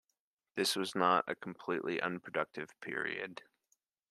This was not a completely unproductive period.